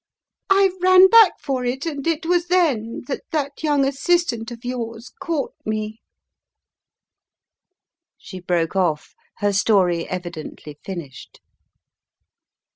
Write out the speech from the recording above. I ran back for it, and it was then that that young assistant of yours caught me/' She broke off, her story evidently finished.